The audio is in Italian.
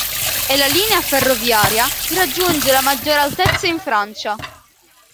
È la linea ferroviaria che raggiunge la maggior altezza in Francia.